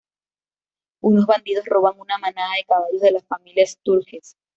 Unos bandidos roban una manada de caballos de la familia Sturges.